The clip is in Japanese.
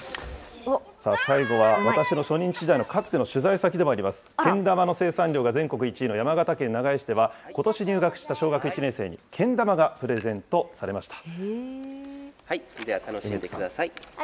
最後は私の初任地時代のかつての取材先でもあります、けん玉の生産量が全国１位の山形県長井市では、ことし入学した小学１年生に、けん玉がプレゼントされました。